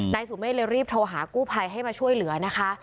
นายสุเมฆเลยรีบโทรหากู้ภัยให้มาช่วยเหลือนะคะ